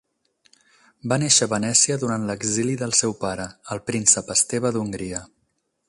Va néixer a Venècia durant l'exili del seu pare, el príncep Esteve d'Hongria.